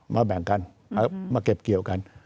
แบ่งกันมาเก็บเกี่ยวกัน